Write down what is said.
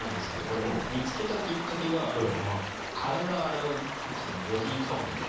これも見つけたきっかけが体洗う時のボディータオルで。